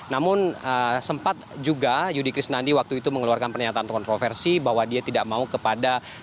namun sempat juga yudi krisnandi waktu itu mengeluarkan pernyataan kontroversi bahwa dia tidak mau kepada